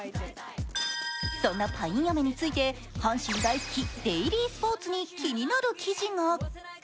そんなパインアメについて阪神大好き「デイリースポーツ」に気になる記事が。